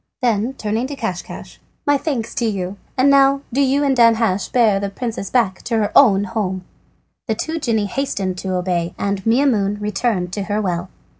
Then turning to Caschcasch: "My thanks to you, and now do you and Danhasch bear the princess back to her own home." The two genii hastened to obey, and Maimoune returned to her well.